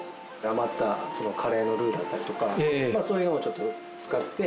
余ったカレーのルーだったりとかそういうのをちょっと使って。